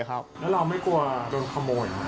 แล้วเราไม่กลัวโดนขโมย